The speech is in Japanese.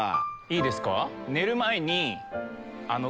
いいですか？